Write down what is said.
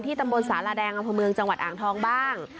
ที่ตำบลศาลาแดงอเมืองจังหวัดอ่างทองบ้าง